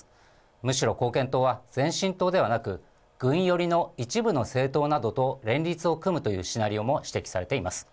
むしろ貢献党は前進党ではなく、軍寄りの一部の政党などと連立を組むというシナリオも指摘されています。